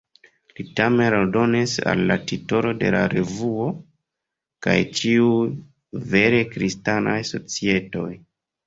Li tamen aldonis al la titolo de la revuo "kaj ĉiuj vere Kristanaj Societoj".